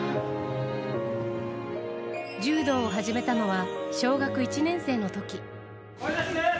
柔道を始めたのは小学１年生のとき。